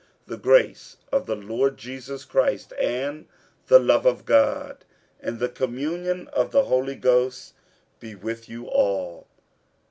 47:013:014 The grace of the Lord Jesus Christ, and the love of God, and the communion of the Holy Ghost, be with you all.